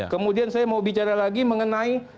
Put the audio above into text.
kemudian saya mau bicara lagi mengenai